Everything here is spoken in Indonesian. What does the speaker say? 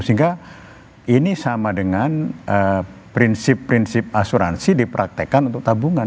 sehingga ini sama dengan prinsip prinsip asuransi dipraktekkan untuk tabungan